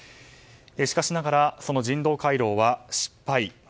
しかしながらその人道回廊は失敗。